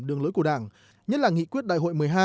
đường lối của đảng nhất là nghị quyết đại hội một mươi hai